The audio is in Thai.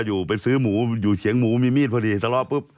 อยู่เฉียงหมูมีมีดพอดีทะเลาะปุ๊บ